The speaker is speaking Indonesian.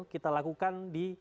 kita lakukan di